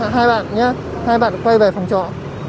hai bạn nhé hai bạn quay về phòng trọ nhé